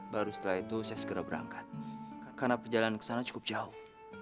baru setelah itu saya segera berangkat karena perjalanan ke sana cukup jauh